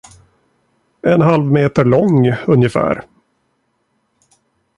En halv meter lång ungefär.